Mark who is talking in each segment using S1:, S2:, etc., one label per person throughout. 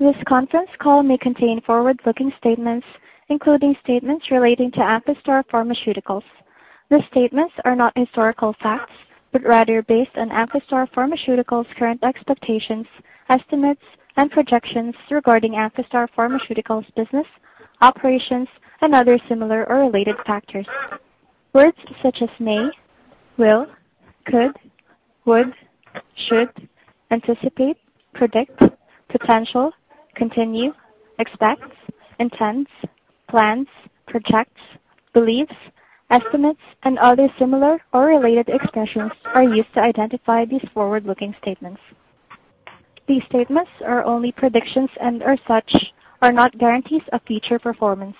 S1: This conference call may contain forward-looking statements, including statements relating to Amphastar Pharmaceuticals. The statements are not historical facts, but rather based on Amphastar Pharmaceuticals' current expectations, estimates, and projections regarding Amphastar Pharmaceuticals' business, operations, and other similar or related factors. Words such as may, will, could, would, should, anticipate, predict, potential, continue, expect, intends, plans, projects, believes, estimates, and other similar or related expressions are used to identify these forward-looking statements. These statements are only predictions and, as such, are not guarantees of future performance,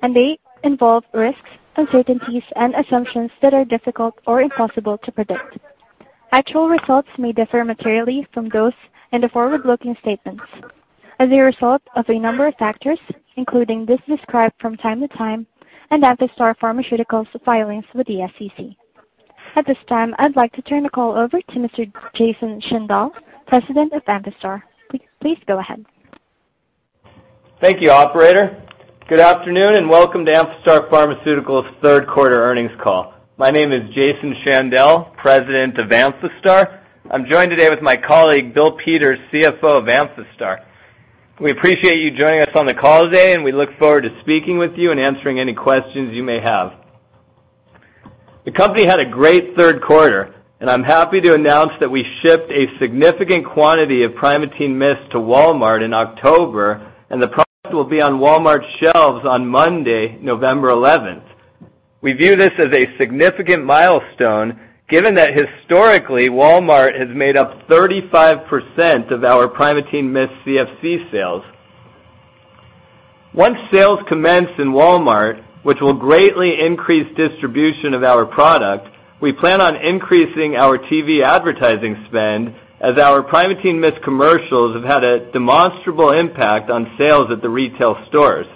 S1: and they involve risks, uncertainties, and assumptions that are difficult or impossible to predict. Actual results may differ materially from those in the forward-looking statements as a result of a number of factors, including those described from time to time and Amphastar Pharmaceuticals' filings with the SEC. At this time, I'd like to turn the call over to Mr. Jason Shandell, President of Amphastar. Please go ahead.
S2: Thank you, Operator. Good afternoon and welcome to Amphastar Pharmaceuticals' third quarter earnings call. My name is Jason Shandell, President of Amphastar. I'm joined today with my colleague, Bill Peters, CFO of Amphastar. We appreciate you joining us on the call today, and we look forward to speaking with you and answering any questions you may have. The company had a great third quarter, and I'm happy to announce that we shipped a significant quantity of Primatene Mist to Walmart in October, and the product will be on Walmart shelves on Monday, November 11th. We view this as a significant milestone given that historically Walmart has made up 35% of our Primatene Mist CFC sales. Once sales commence in Walmart, which will greatly increase distribution of our product, we plan on increasing our TV advertising spend as our Primatene Mist commercials have had a demonstrable impact on sales at the retail stores.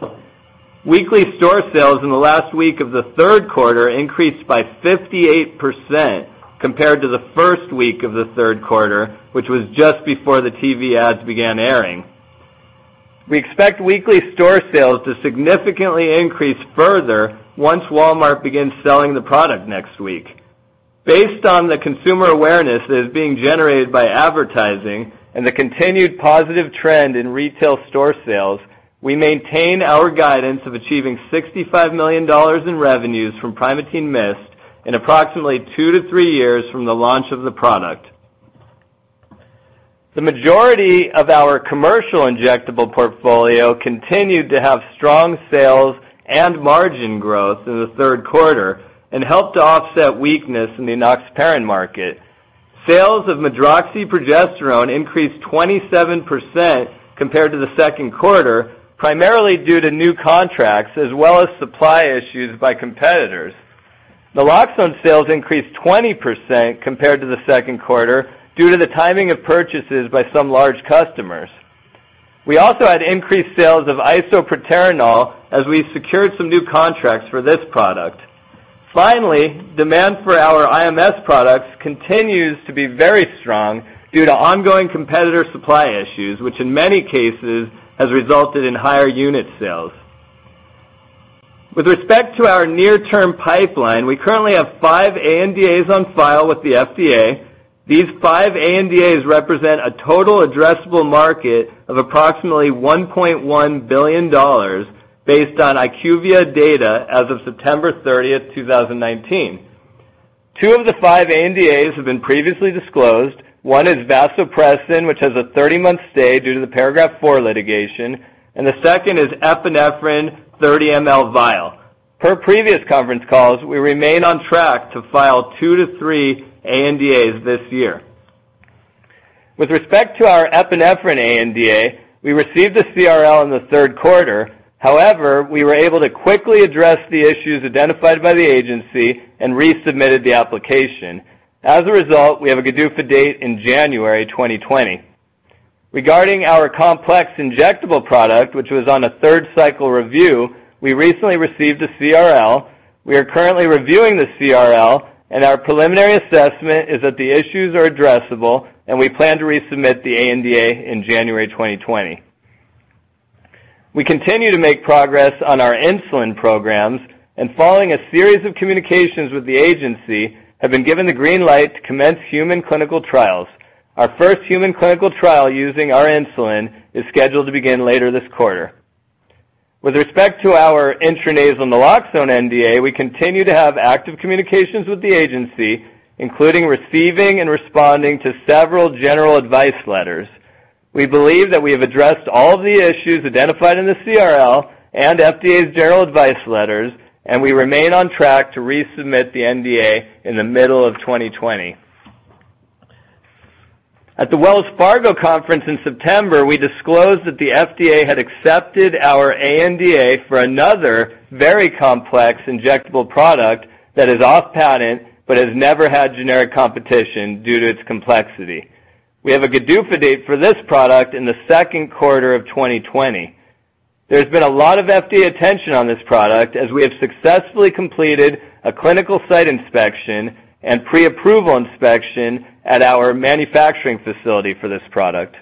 S2: Weekly store sales in the last week of the third quarter increased by 58% compared to the first week of the third quarter, which was just before the TV ads began airing. We expect weekly store sales to significantly increase further once Walmart begins selling the product next week. Based on the consumer awareness that is being generated by advertising and the continued positive trend in retail store sales, we maintain our guidance of achieving $65 million in revenues from Primatene Mist in approximately two to three years from the launch of the product. The majority of our commercial injectable portfolio continued to have strong sales and margin growth in the third quarter and helped to offset weakness in the enoxaparin market. Sales of medroxyprogesterone increased 27% compared to the second quarter, primarily due to new contracts as well as supply issues by competitors. Naloxone sales increased 20% compared to the second quarter due to the timing of purchases by some large customers. We also had increased sales of isoproterenol as we secured some new contracts for this product. Finally, demand for our IMS products continues to be very strong due to ongoing competitor supply issues, which in many cases has resulted in higher unit sales. With respect to our near-term pipeline, we currently have five ANDAs on file with the FDA. These five ANDAs represent a total addressable market of approximately $1.1 billion based on IQVIA data as of September 30th, 2019. Two of the five ANDAs have been previously disclosed. One is vasopressin, which has a 30-month stay due to the Paragraph IV litigation, and the second is epinephrine 30 mL vial. Per previous conference calls, we remain on track to file two to three ANDAs this year. With respect to our epinephrine ANDA, we received the CRL in the third quarter. However, we were able to quickly address the issues identified by the agency and resubmitted the application. As a result, we have a GDUFA date in January 2020. Regarding our complex injectable product, which was on a third cycle review, we recently received a CRL. We are currently reviewing the CRL, and our preliminary assessment is that the issues are addressable, and we plan to resubmit the ANDA in January 2020. We continue to make progress on our insulin programs, and following a series of communications with the agency, have been given the green light to commence human clinical trials. Our first human clinical trial using our insulin is scheduled to begin later this quarter. With respect to our intranasal naloxone NDA, we continue to have active communications with the agency, including receiving and responding to several general advice letters. We believe that we have addressed all of the issues identified in the CRL and FDA's general advice letters, and we remain on track to resubmit the NDA in the middle of 2020. At the Wells Fargo conference in September, we disclosed that the FDA had accepted our ANDA for another very complex injectable product that is off-patent but has never had generic competition due to its complexity. We have a GDUFA date for this product in the second quarter of 2020. There's been a lot of FDA attention on this product as we have successfully completed a clinical site inspection and pre-approval inspection at our manufacturing facility for this product.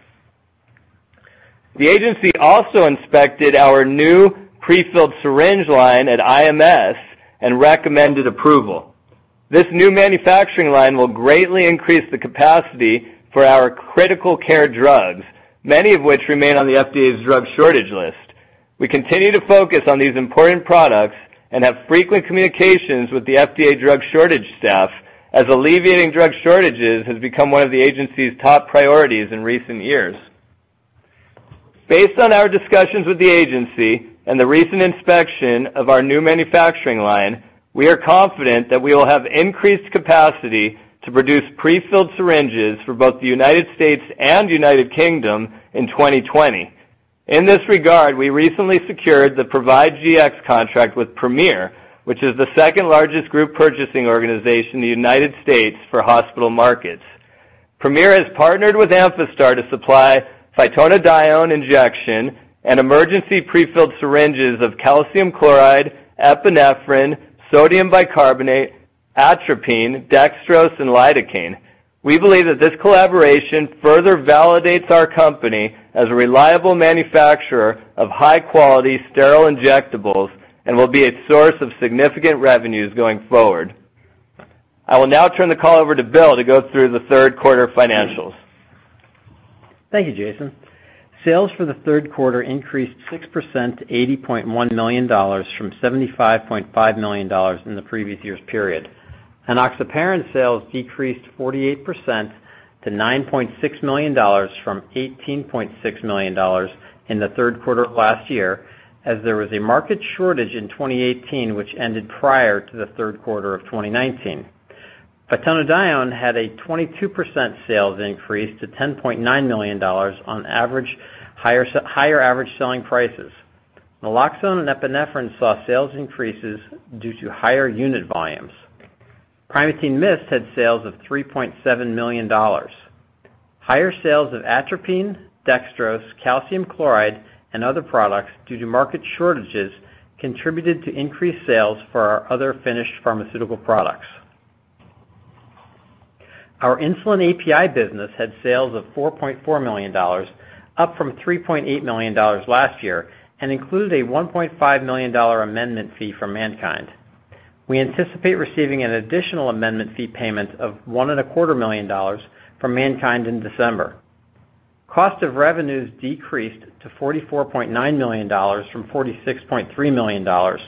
S2: The agency also inspected our new prefilled syringe line at IMS and recommended approval. This new manufacturing line will greatly increase the capacity for our critical care drugs, many of which remain on the FDA's drug shortage list. We continue to focus on these important products and have frequent communications with the FDA drug shortage staff as alleviating drug shortages has become one of the agency's top priorities in recent years. Based on our discussions with the agency and the recent inspection of our new manufacturing line, we are confident that we will have increased capacity to produce prefilled syringes for both the United States and United Kingdom in 2020. In this regard, we recently secured the ProvideGx contract with Premier, which is the second largest group purchasing organization in the United States for hospital markets. Premier has partnered with Amphastar to supply Phytonadione injection and emergency prefilled syringes of calcium chloride, epinephrine, sodium bicarbonate, atropine, dextrose, and lidocaine. We believe that this collaboration further validates our company as a reliable manufacturer of high-quality sterile injectables and will be a source of significant revenues going forward. I will now turn the call over to Bill to go through the third quarter financials.
S3: Thank you, Jason. Sales for the third quarter increased 6% to $80.1 million from $75.5 million in the previous year's period. Enoxaparin sales decreased 48% to $9.6 million from $18.6 million in the third quarter of last year as there was a market shortage in 2018, which ended prior to the third quarter of 2019. Phytonadione had a 22% sales increase to $10.9 million on higher average selling prices. Naloxone and epinephrine saw sales increases due to higher unit volumes. Primatene Mist had sales of $3.7 million. Higher sales of atropine, dextrose, calcium chloride, and other products due to market shortages contributed to increased sales for our other finished pharmaceutical products. Our insulin API business had sales of $4.4 million, up from $3.8 million last year, and included a $1.5 million amendment fee from MannKind. We anticipate receiving an additional amendment fee payment of $1.25 million from MannKind in December. Cost of revenues decreased to $44.9 million from $46.3 million.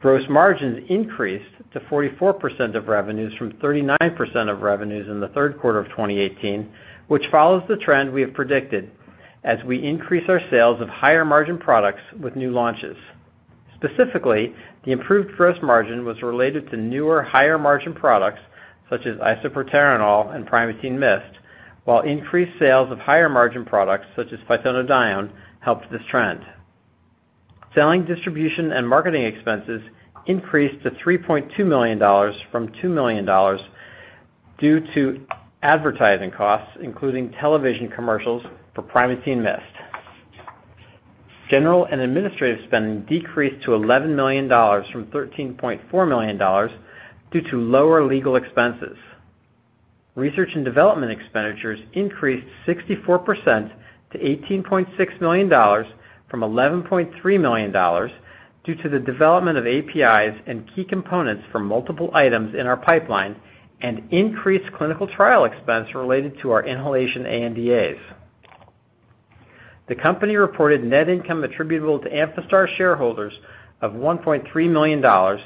S3: Gross margins increased to 44% of revenues from 39% of revenues in the third quarter of 2018, which follows the trend we have predicted as we increase our sales of higher margin products with new launches. Specifically, the improved gross margin was related to newer higher margin products such as isoproterenol and Primatene Mist, while increased sales of higher margin products such as Phytonadione helped this trend. Selling, distribution, and marketing expenses increased to $3.2 million from $2 million due to advertising costs, including television commercials for Primatene Mist. General and administrative spending decreased to $11 million from $13.4 million due to lower legal expenses. Research and development expenditures increased 64% to $18.6 million from $11.3 million due to the development of APIs and key components for multiple items in our pipeline and increased clinical trial expense related to our inhalation ANDAs. The company reported net income attributable to Amphastar shareholders of $1.3 million, or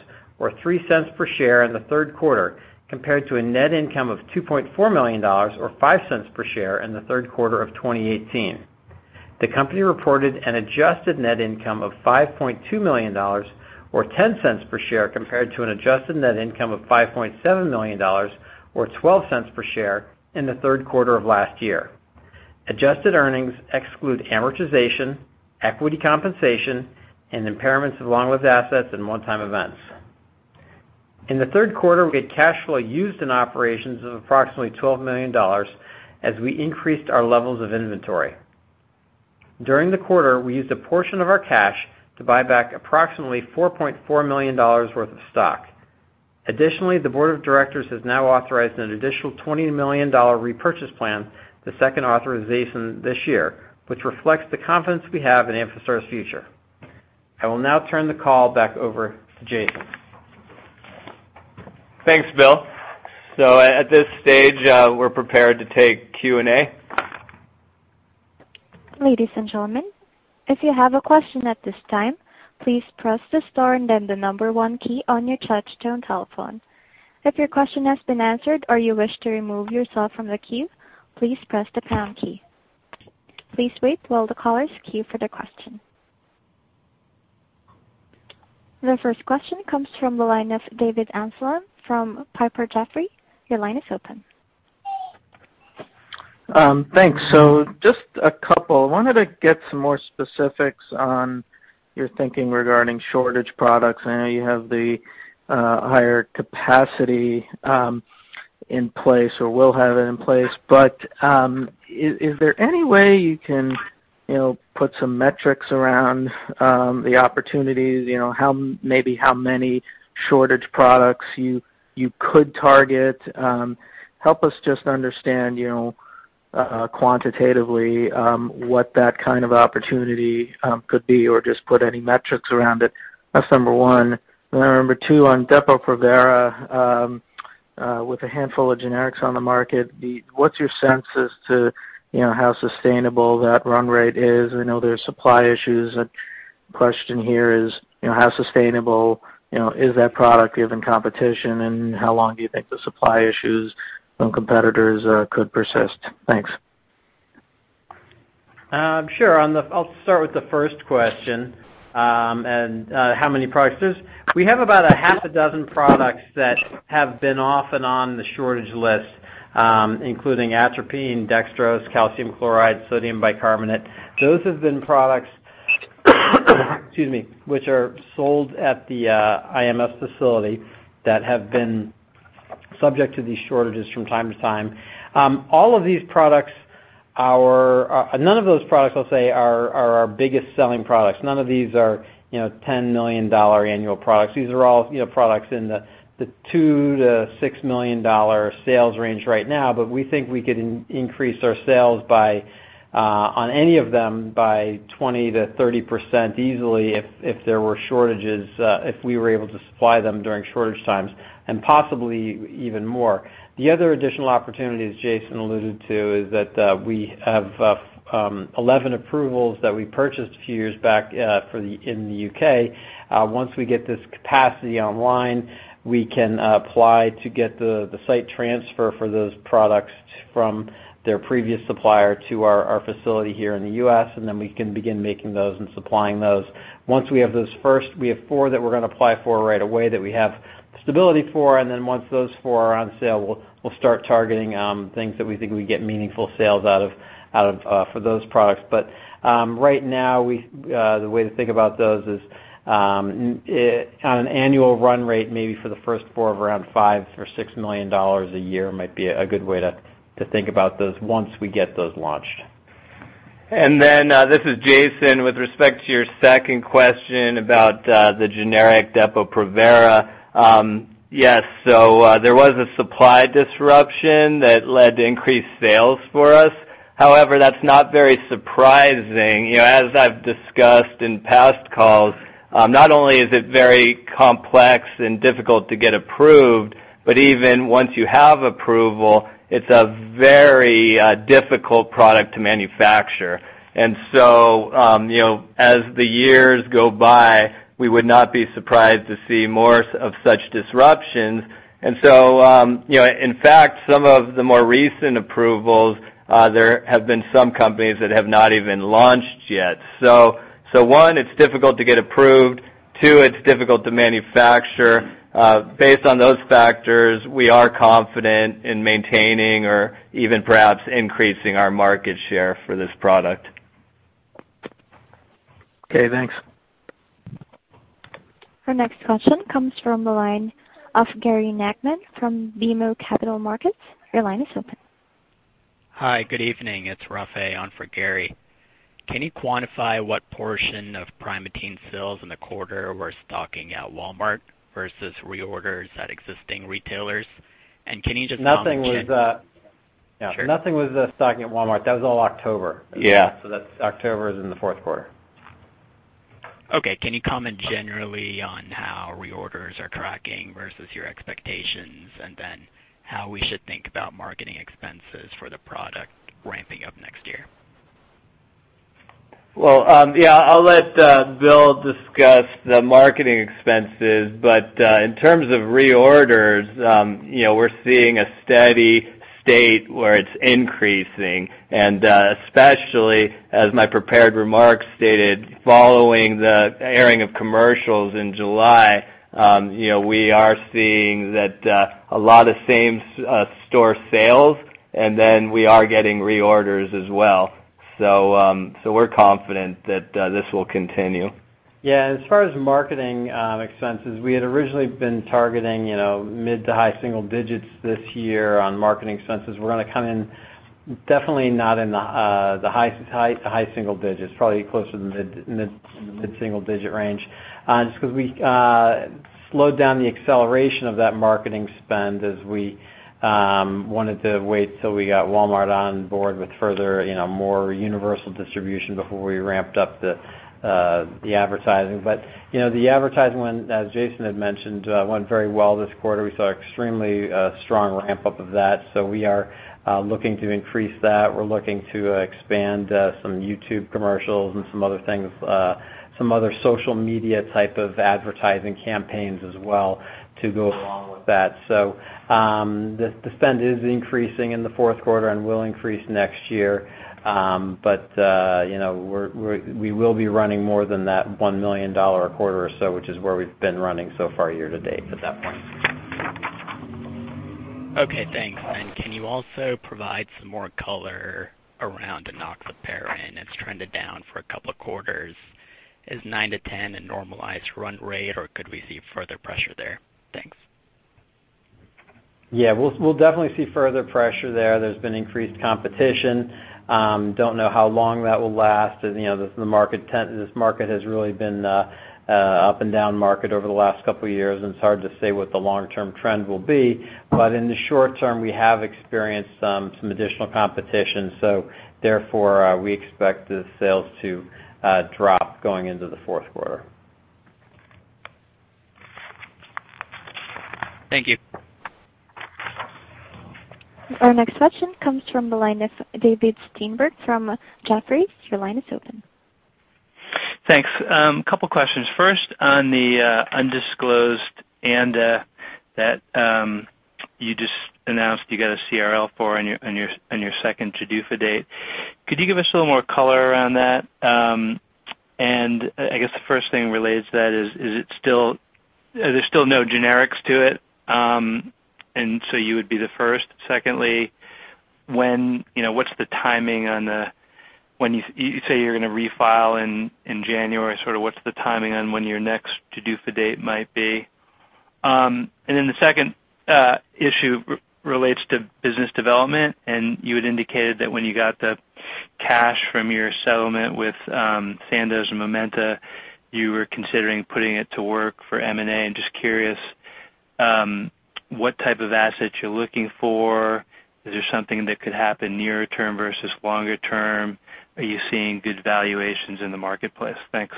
S3: $0.03 per share in the third quarter, compared to a net income of $2.4 million, or $0.05 per share in the third quarter of 2018. The company reported an adjusted net income of $5.2 million, or $0.10 per share, compared to an adjusted net income of $5.7 million, or $0.12 per share in the third quarter of last year. Adjusted earnings exclude amortization, equity compensation, and impairments of long-lived assets and one-time events. In the third quarter, we had cash flow used in operations of approximately $12 million as we increased our levels of inventory. During the quarter, we used a portion of our cash to buy back approximately $4.4 million worth of stock. Additionally, the board of directors has now authorized an additional $20 million repurchase plan, the second authorization this year, which reflects the confidence we have in Amphastar's future. I will now turn the call back over to Jason.
S2: Thanks, Bill. So at this stage, we're prepared to take Q&A.
S1: Ladies and gentlemen, if you have a question at this time, please press the star and then the number one key on your touch-tone telephone. If your question has been answered or you wish to remove yourself from the queue, please press the pound key. Please wait while the callers are queued for the question. The first question comes from the line of David Amsellem from Piper Jaffray. Your line is open.
S4: Thanks, so just a couple. I wanted to get some more specifics on your thinking regarding shortage products. I know you have the higher capacity in place or will have it in place, but is there any way you can put some metrics around the opportunities, maybe how many shortage products you could target? Help us just understand quantitatively what that kind of opportunity could be or just put any metrics around it. That's number one. Number two, on Depo-Provera, with a handful of generics on the market, what's your sense as to how sustainable that run rate is? I know there are supply issues. The question here is how sustainable is that product given competition, and how long do you think the supply issues from competitors could persist? Thanks.
S3: Sure. I'll start with the first question and how many products there is. We have about a half a dozen products that have been off and on the shortage list, including Atropine, Dextrose, calcium chloride, Sodium bicarbonate. Those have been products, excuse me, which are sold at the IMS facility that have been subject to these shortages from time to time. All of these products, none of those products, I'll say, are our biggest selling products. None of these are $10 million annual products. These are all products in the $2-$6 million sales range right now, but we think we could increase our sales on any of them by 20%-30% easily if there were shortages, if we were able to supply them during shortage times and possibly even more. The other additional opportunity, as Jason alluded to, is that we have 11 approvals that we purchased a few years back in the U.K. Once we get this capacity online, we can apply to get the site transfer for those products from their previous supplier to our facility here in the U.S., and then we can begin making those and supplying those. Once we have those first, we have four that we're going to apply for right away that we have stability for, and then once those four are on sale, we'll start targeting things that we think we get meaningful sales out of for those products. But right now, the way to think about those is on an annual run rate, maybe for the first four of around $5-$6 million a year might be a good way to think about those once we get those launched.
S2: And then this is Jason with respect to your second question about the generic Depo-Provera. Yes. So there was a supply disruption that led to increased sales for us. However, that's not very surprising. As I've discussed in past calls, not only is it very complex and difficult to get approved, but even once you have approval, it's a very difficult product to manufacture. And so as the years go by, we would not be surprised to see more of such disruptions. And so, in fact, some of the more recent approvals, there have been some companies that have not even launched yet. So one, it's difficult to get approved. Two, it's difficult to manufacture. Based on those factors, we are confident in maintaining or even perhaps increasing our market share for this product.
S4: Okay. Thanks.
S1: Our next question comes from the line of Gary Nachman from BMO Capital Markets. Your line is open.
S5: Hi. Good evening. It's Rafay on for Gary. Can you quantify what portion of Primatene sales in the quarter were stocking at Walmart versus reorders at existing retailers? And can you just comment?
S3: Nothing was stocking at Walmart. That was all October. So October is in the fourth quarter.
S5: Okay. Can you comment generally on how reorders are tracking versus your expectations and then how we should think about marketing expenses for the product ramping up next year?
S2: Yeah. I'll let Bill discuss the marketing expenses, but in terms of reorders, we're seeing a steady state where it's increasing, and especially, as my prepared remarks stated, following the airing of commercials in July, we are seeing that a lot of same-store sales, and then we are getting reorders as well, so we're confident that this will continue.
S3: Yeah. As far as marketing expenses, we had originally been targeting mid to high single digits this year on marketing expenses. We're going to come in definitely not in the high single digits, probably closer to the mid single digit range, just because we slowed down the acceleration of that marketing spend as we wanted to wait till we got Walmart on board with further more universal distribution before we ramped up the advertising. But the advertising went, as Jason had mentioned, very well this quarter. We saw an extremely strong ramp up of that. So we are looking to increase that. We're looking to expand some YouTube commercials and some other things, some other social media type of advertising campaigns as well to go along with that. So the spend is increasing in the fourth quarter and will increase next year, but we will be running more than that $1 million a quarter or so, which is where we've been running so far year to date at that point.
S5: Okay. Thanks. And can you also provide some more color around Enoxaparin that's trended down for a couple of quarters? Is 9 to 10 a normalized run rate, or could we see further pressure there? Thanks.
S3: Yeah. We'll definitely see further pressure there. There's been increased competition. Don't know how long that will last. This market has really been an up and down market over the last couple of years, and it's hard to say what the long-term trend will be. But in the short term, we have experienced some additional competition. So therefore, we expect the sales to drop going into the fourth quarter.
S5: Thank you.
S1: Our next question comes from the line of David Steinberg from Jefferies. Your line is open.
S6: Thanks. A couple of questions. First, on the undisclosed ANDA that you just announced you got a CRL for on your second GDUFA date. Could you give us a little more color around that? And I guess the first thing related to that is, are there still no generics to it? And so you would be the first. Secondly, what's the timing on the—you say you're going to refile in January. Sort of what's the timing on when your next GDUFA date might be? And then the second issue relates to business development, and you had indicated that when you got the cash from your settlement with Sandoz and Momenta, you were considering putting it to work for M&A. I'm just curious what type of asset you're looking for. Is there something that could happen nearer term versus longer term? Are you seeing good valuations in the marketplace? Thanks.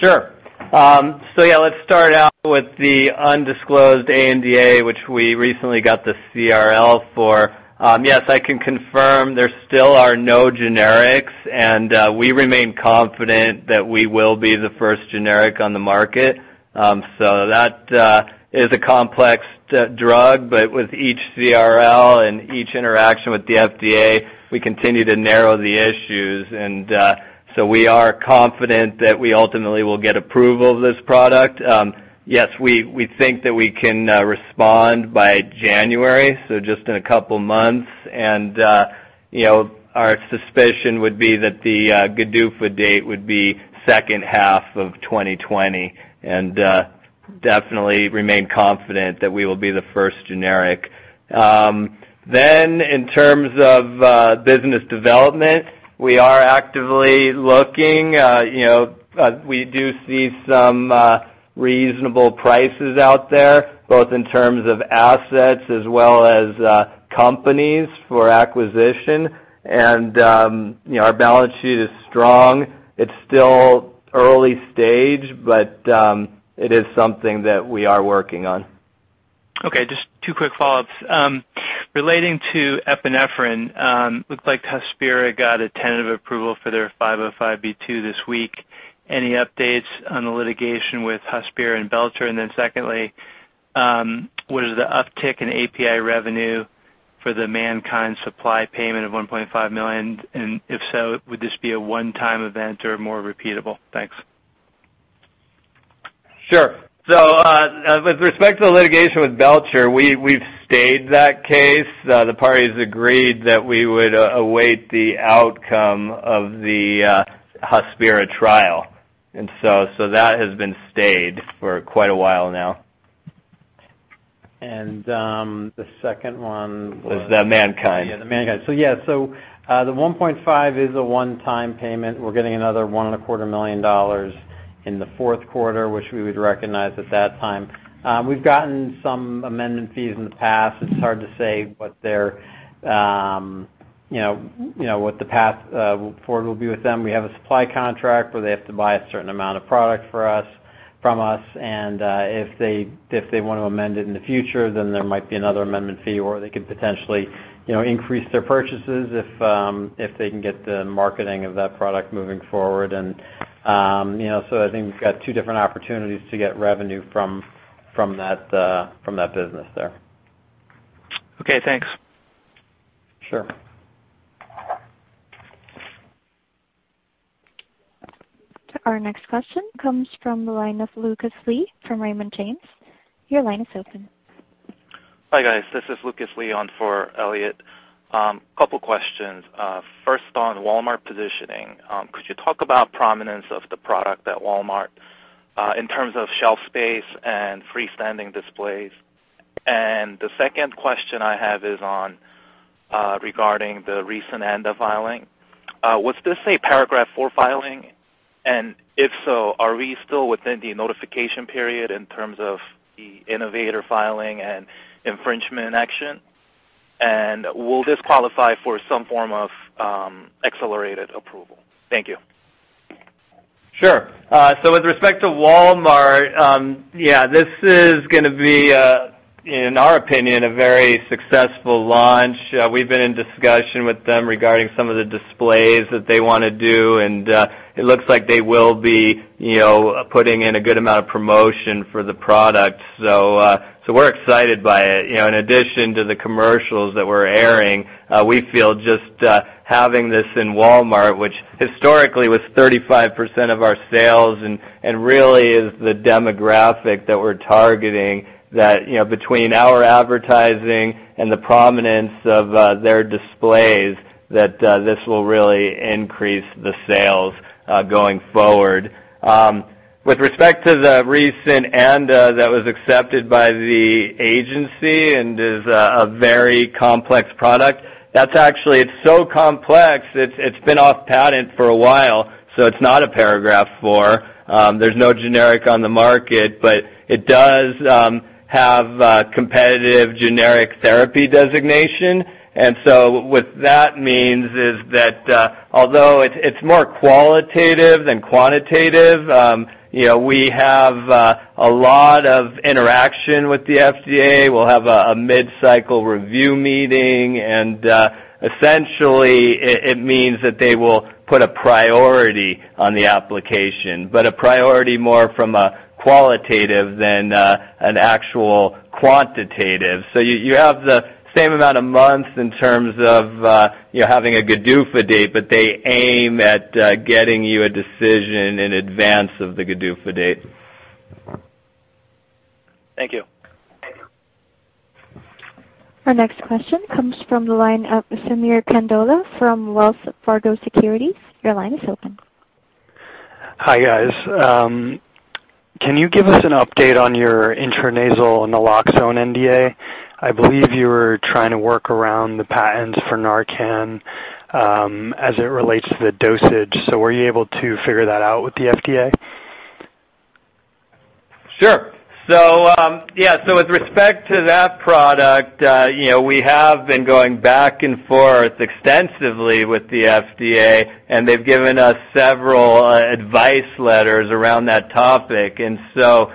S2: Sure. So yeah, let's start out with the undisclosed ANDA, which we recently got the CRL for. Yes, I can confirm there still are no generics, and we remain confident that we will be the first generic on the market. So that is a complex drug, but with each CRL and each interaction with the FDA, we continue to narrow the issues. And so we are confident that we ultimately will get approval of this product. Yes, we think that we can respond by January, so just in a couple of months. And our suspicion would be that the GDUFA date would be second half of 2020 and definitely remain confident that we will be the first generic. Then, in terms of business development, we are actively looking. We do see some reasonable prices out there, both in terms of assets as well as companies for acquisition. Our balance sheet is strong. It's still early stage, but it is something that we are working on.
S6: Okay. Just two quick follow-ups. Relating to epinephrine, looks like Hospira got a tentative approval for their 505(b)(2) this week. Any updates on the litigation with Hospira and Belcher? And then secondly, what is the uptick in API revenue for the MannKind supply payment of $1.5 million? And if so, would this be a one-time event or more repeatable? Thanks.
S2: Sure. So with respect to the litigation with Belcher, we've stayed that case. The parties agreed that we would await the outcome of the Hospira trial. And so that has been stayed for quite a while now.
S3: And the second one was.
S2: Was the MannKind.
S3: Yeah, the MannKind. So, the $1.5 million is a one-time payment. We're getting another $1.25 million in the fourth quarter, which we would recognize at that time. We've gotten some amendment fees in the past. It's hard to say what the path forward will be with them. We have a supply contract where they have to buy a certain amount of product from us. And if they want to amend it in the future, then there might be another amendment fee, or they could potentially increase their purchases if they can get the marketing of that product moving forward. And so I think we've got two different opportunities to get revenue from that business there.
S6: Okay. Thanks.
S3: Sure.
S1: Our next question comes from the line of Lucas Lee from Raymond James. Your line is open.
S7: Hi guys. This is Lucas Lee on for Elliott. A couple of questions. First, on Walmart positioning, could you talk about prominence of the product at Walmart in terms of shelf space and freestanding displays? And the second question I have is regarding the recent ANDA filing. Was this a paragraph four filing? And if so, are we still within the notification period in terms of the innovator filing and infringement action? And will this qualify for some form of accelerated approval? Thank you.
S2: Sure. So with respect to Walmart, yeah, this is going to be, in our opinion, a very successful launch. We've been in discussion with them regarding some of the displays that they want to do, and it looks like they will be putting in a good amount of promotion for the product. So we're excited by it. In addition to the commercials that we're airing, we feel just having this in Walmart, which historically was 35% of our sales and really is the demographic that we're targeting, that between our advertising and the prominence of their displays, that this will really increase the sales going forward. With respect to the recent ANDA that was accepted by the agency and is a very complex product, it's so complex it's been off patent for a while. So it's not a paragraph four. There's no generic on the market, but it does have competitive generic therapy designation. And so what that means is that although it's more qualitative than quantitative, we have a lot of interaction with the FDA. We'll have a mid-cycle review meeting. And essentially, it means that they will put a priority on the application, but a priority more from a qualitative than an actual quantitative. So you have the same amount of months in terms of having a GDUFA date, but they aim at getting you a decision in advance of the GDUFA date.
S7: Thank you.
S1: Our next question comes from the line of Samir Khanal from Wells Fargo Securities. Your line is open.
S8: Hi guys. Can you give us an update on your intranasal naloxone NDA? I believe you were trying to work around the patents for Narcan as it relates to the dosage. So were you able to figure that out with the FDA?
S2: Sure. So yeah. So with respect to that product, we have been going back and forth extensively with the FDA, and they've given us several advice letters around that topic. And so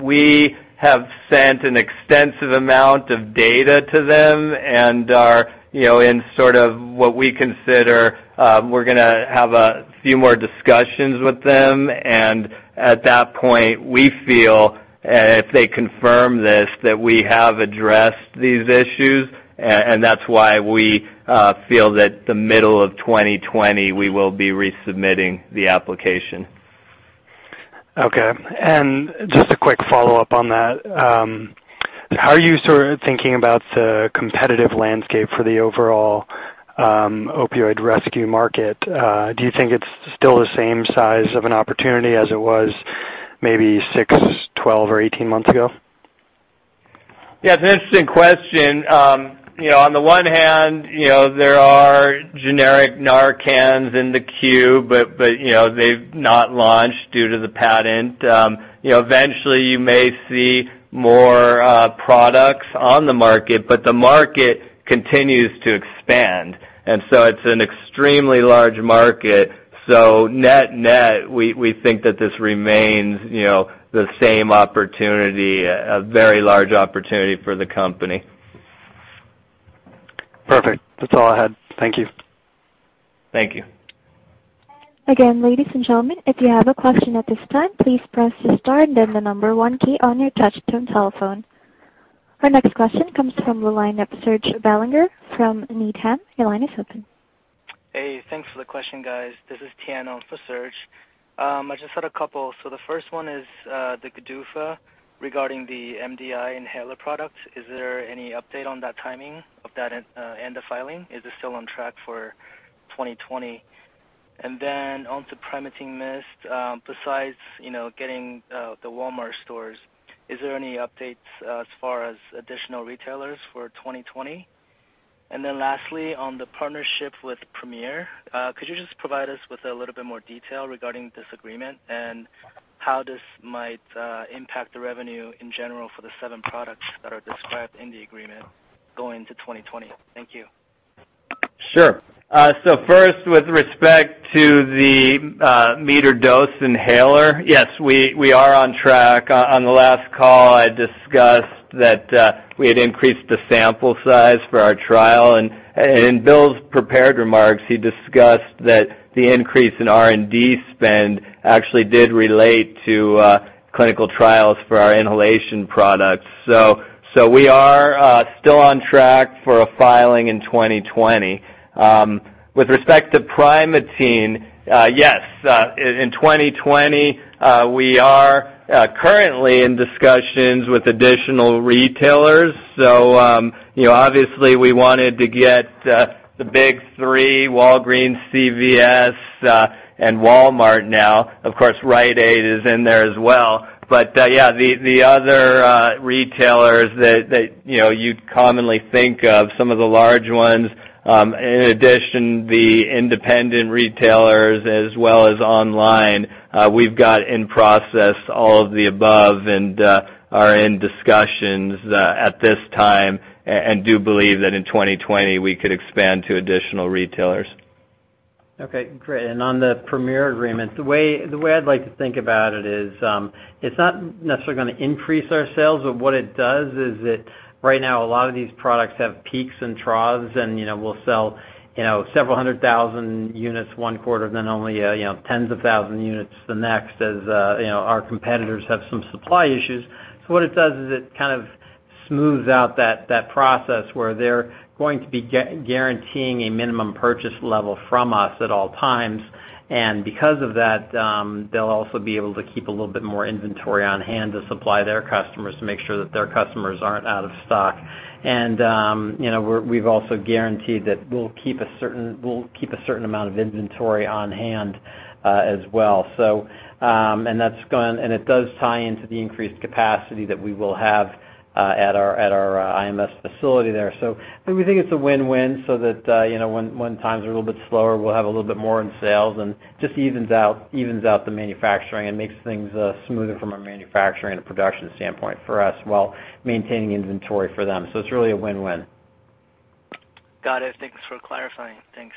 S2: we have sent an extensive amount of data to them and are in sort of what we consider we're going to have a few more discussions with them. And at that point, we feel if they confirm this that we have addressed these issues. And that's why we feel that the middle of 2020, we will be resubmitting the application.
S8: Okay. And just a quick follow-up on that. How are you sort of thinking about the competitive landscape for the overall opioid rescue market? Do you think it's still the same size of an opportunity as it was maybe six, 12, or 18 months ago?
S2: Yeah. It's an interesting question. On the one hand, there are generic Narcan's in the queue, but they've not launched due to the patent. Eventually, you may see more products on the market, but the market continues to expand, and so it's an extremely large market, so net net, we think that this remains the same opportunity, a very large opportunity for the company.
S8: Perfect. That's all I had. Thank you.
S2: Thank you.
S1: Again, ladies and gentlemen, if you have a question at this time, please press the star and then the number one key on your touch-tone telephone. Our next question comes from the line of Serge Belanger from Needham. Your line is open. Hey. Thanks for the question, guys. This is Tiana on for Serge. I just had a couple. So the first one is the GDUFA regarding the MDI inhaler product. Is there any update on that timing of that ANDA filing? Is it still on track for 2020? And then onto Primatene Mist, besides getting the Walmart stores, is there any updates as far as additional retailers for 2020? And then lastly, on the partnership with Premier, could you just provide us with a little bit more detail regarding this agreement and how this might impact the revenue in general for the seven products that are described in the agreement going into 2020? Thank you.
S2: Sure, so first, with respect to the metered-dose inhaler, yes, we are on track. On the last call, I discussed that we had increased the sample size for our trial, and in Bill's prepared remarks, he discussed that the increase in R&D spend actually did relate to clinical trials for our inhalation products, so we are still on track for a filing in 2020. With respect to Primatene, yes, in 2020, we are currently in discussions with additional retailers, so obviously, we wanted to get the big three, Walgreens, CVS, and Walmart now. Of course, Rite Aid is in there as well. But yeah, the other retailers that you'd commonly think of, some of the large ones, in addition, the independent retailers as well as online, we've got in process all of the above and are in discussions at this time and do believe that in 2020, we could expand to additional retailers.
S3: Okay. Great, and on the Premier agreement, the way I'd like to think about it is it's not necessarily going to increase our sales, but what it does is that right now, a lot of these products have peaks and troughs, and we'll sell several hundred thousand units one quarter, then only tens of thousands units the next as our competitors have some supply issues, so what it does is it kind of smooths out that process where they're going to be guaranteeing a minimum purchase level from us at all times, and because of that, they'll also be able to keep a little bit more inventory on hand to supply their customers to make sure that their customers aren't out of stock, and we've also guaranteed that we'll keep a certain amount of inventory on hand as well. That's going and it does tie into the increased capacity that we will have at our IMS facility there, so we think it's a win-win so that when times are a little bit slower, we'll have a little bit more in sales and just evens out the manufacturing and makes things smoother from a manufacturing and production standpoint for us while maintaining inventory for them, so it's really a win-win. Got it. Thanks for clarifying. Thanks.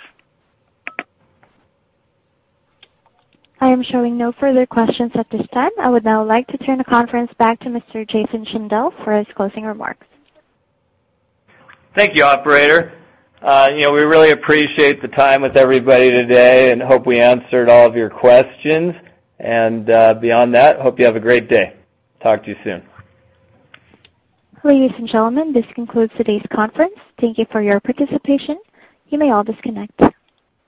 S1: I am showing no further questions at this time. I would now like to turn the conference back to Mr. Jason Shandell for his closing remarks.
S2: Thank you, operator. We really appreciate the time with everybody today and hope we answered all of your questions. Beyond that, we hope you have a great day. Talk to you soon.
S1: Ladies and gentlemen, this concludes today's conference. Thank you for your participation. You may all disconnect.